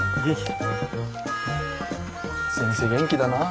先生元気だなあ。